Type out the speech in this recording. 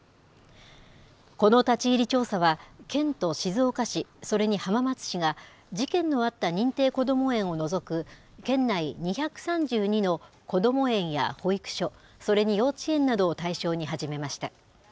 この立ち入り調査は、県と静岡市、それに浜松市が、事件のあった認定こども園を除く、県内２３２のこども園や保育所、それに幼稚園などを対象に始めました。